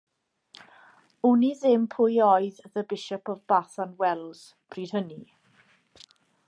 Wn i ddim pwy oedd The Bishop of Bath and Wells bryd hynny.